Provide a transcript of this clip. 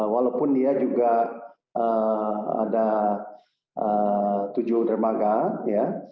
walaupun dia juga ada tujuh dermaga ya